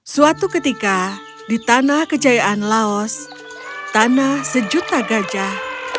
suatu ketika di tanah kejayaan laos tanah sejuta gajah